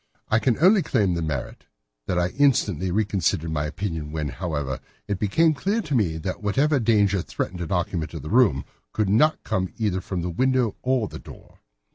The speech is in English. I can only claim the merit that I instantly reconsidered my position when, however, it became clear to me that whatever danger threatened an occupant of the room could not come either from the window or the door.